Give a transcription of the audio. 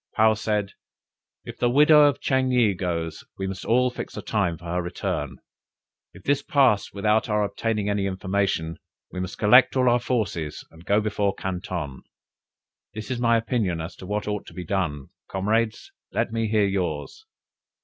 Paou said "If the widow of Ching yih goes, we must fix a time for her return. If this pass without our obtaining any information, we must collect all our forces, and go before Canton: this is my opinion as to what ought to be done; comrades, let me hear yours!"